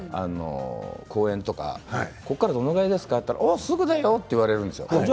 公園とかここからどのぐらいですかと聞いたらすぐだよと言われるんですよ。